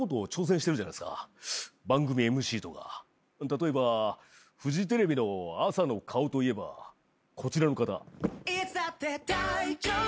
例えばフジテレビの朝の顔といえばこちらの方。